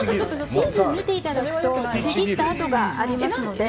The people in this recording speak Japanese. チーズを見ていただくとちぎった跡があります。